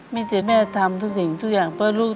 มีแต่แม่ทำทุกสิ่งทุกอย่างเพื่อลูก